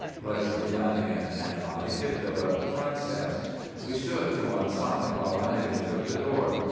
Leslie, Lanagan and I tiptoed up the front steps. We stood to one side, while Lanagan took the door.